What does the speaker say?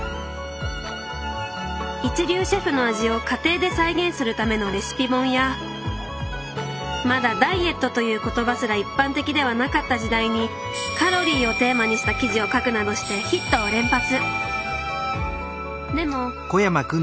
一流シェフの味を家庭で再現するためのレシピ本やまだダイエットという言葉すら一般的ではなかった時代にカロリーをテーマにした記事を書くなどしてヒットを連発。